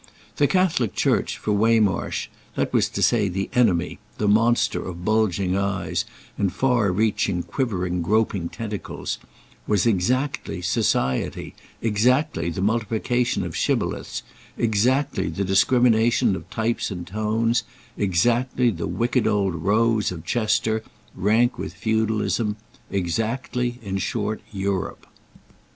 The Catholic Church, for Waymarsh—that was to say the enemy, the monster of bulging eyes and far reaching quivering groping tentacles—was exactly society, exactly the multiplication of shibboleths, exactly the discrimination of types and tones, exactly the wicked old Rows of Chester, rank with feudalism; exactly in short Europe.